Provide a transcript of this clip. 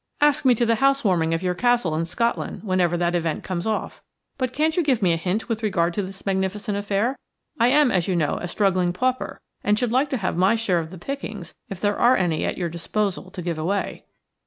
"Ask me to the housewarming of your castle in Scotland, whenever that event comes off. But can't you give me a hint with regard to this magnificent affair? I am, as you know, a struggling pauper, and should like to have my share of the pickings if there are any at your disposal to give away."